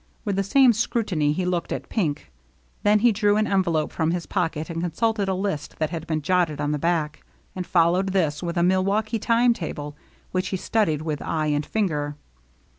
With the same scrutiny, he looked at Pink. Then he drew an envelope from his pocket and consulted a list that had been jotted on the back ; and followed this with a Milwaukee time table, which he studied with eye and finger.